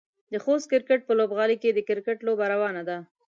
د خوست کرکټ په لوبغالي کې د کرکټ لوبه روانه ده.